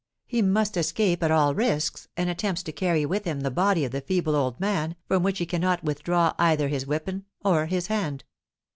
He must escape at all risks, and attempts to carry with him the body of the feeble old man, from which he cannot withdraw either his weapon or his hand.